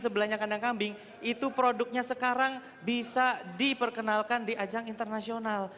sebelahnya kandang kambing itu produknya sekarang bisa diperkenalkan di ajang internasional